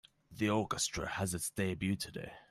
The orchestra has its debut today.